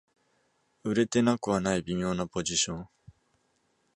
売れてなくはない微妙なポジション